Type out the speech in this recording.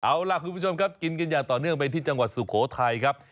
เอาล่ะคุณผู้ชมครับกินกันอย่างต่อเนื่องไปที่จังหวัดสุโขทัยครับ